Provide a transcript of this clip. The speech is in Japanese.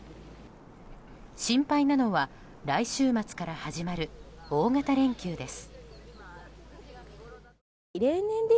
心配なのは来週末から始まる大型連休です。